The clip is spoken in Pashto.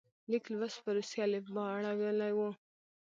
لیک لوست په روسي الفبا اړولی وو.